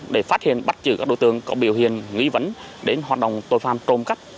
để phát hiện bắt chữ các đối tượng có biểu hiện nghi vấn đến hoạt động tội phạm trung cấp